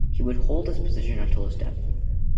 He would hold this position until his death.